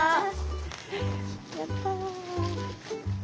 やった。